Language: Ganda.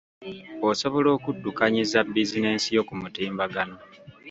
Osobola okuddukanyiza bizinensi yo ku mutimbagano.